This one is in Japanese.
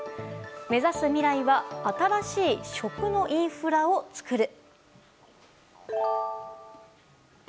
目指す未来は新しい食のインフラをつくる。